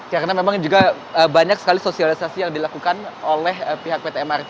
karena memang juga banyak sekali sosialisasi yang dilakukan oleh pihak pt mrt